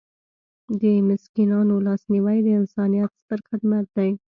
د مسکینانو لاسنیوی د انسانیت ستر خدمت دی.